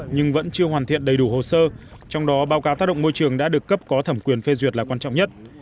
nhưng vẫn chưa hoàn thiện đầy đủ hồ sơ trong đó báo cáo tác động môi trường đã được cấp có thẩm quyền phê duyệt là quan trọng nhất